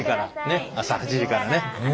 ねっ朝８時からね。